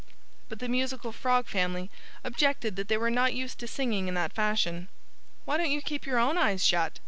But the musical Frog family objected that they were not used to singing in that fashion. "Why don't you keep your own eyes shut?"